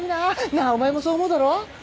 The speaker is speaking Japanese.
なあお前もそう思うだろ？